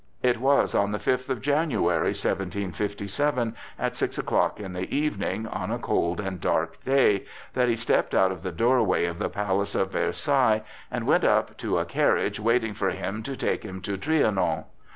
It was on the fifth of January, 1757, at six o'clock in the evening, on a cold and dark day, that he stepped out of the doorway of the palace of Versailles and went up to a carriage waiting for him to take him to Trianon.